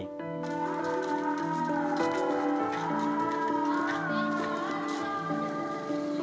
ketika kita sudah membuat perusahaan kita sudah membuat perusahaan